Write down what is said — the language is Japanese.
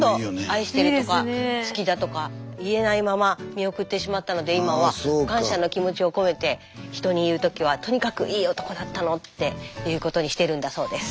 愛してるとか好きだとか言えないまま見送ってしまったので今は感謝の気持ちを込めて人に言うときはとにかくいい男だったのって言うことにしてるんだそうです。